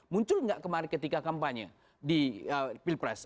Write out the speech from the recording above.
muncul nggak kemarin ketika kampanye di pilpres